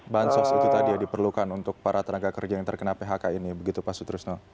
bansos itu tadi ya diperlukan untuk para tenaga kerja yang terkena phk ini begitu pak sutrisno